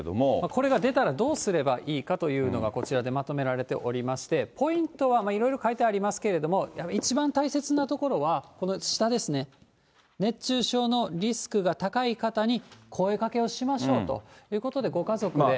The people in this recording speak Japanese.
これが出たらどうすればいいかというのが、こちらでまとめられておりまして、ポイントは、いろいろ書いてありますけれども、一番大切なところはこの下ですね、熱中症のリスクが高い方に声かけをしましょうということで、ご家族で。